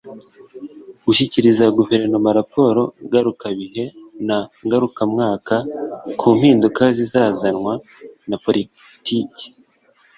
gushyikiriza guverinoma raporo ngarukabihe na ngarukamwaka ku mpinduka zizanwa na politiki